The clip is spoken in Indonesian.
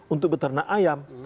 untuk beternak ayam